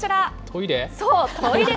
トイレ？